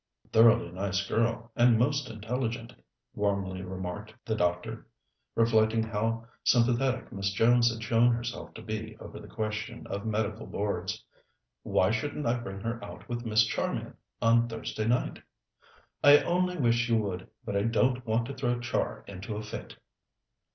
"A thoroughly nice girl, and most intelligent," warmly remarked the doctor, reflecting how sympathetic Miss Jones had shown herself to be over the question of Medical Boards. "Why shouldn't I bring her out with Miss Charmian on Thursday night?" "I only wish you would, but I don't want to throw Char into a fit."